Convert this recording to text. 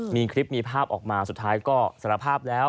มีคลิปมีภาพออกมาสุดท้ายก็สารภาพแล้ว